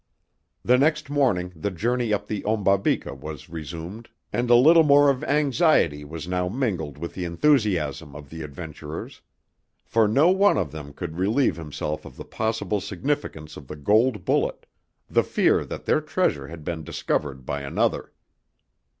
The next morning the journey up the Ombabika was resumed, and a little more of anxiety was now mingled with the enthusiasm of the adventurers. For no one of them could relieve himself of the possible significance of the gold bullet, the fear that their treasure had been discovered by another.